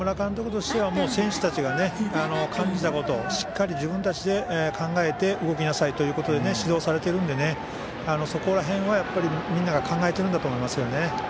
中村監督としては選手たちが感じたことしっかり自分たちで考えて動きなさいということで指導されているのでそこら辺は、みんなが考えているんだと思います。